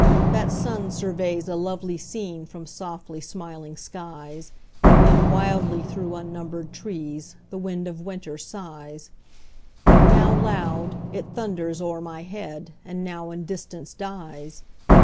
That sun surveys a lovely scene From softly smiling skies; And wildly through unnumbered trees The wind of winter sighs: Now loud, it thunders o'er my head, And now in distance dies.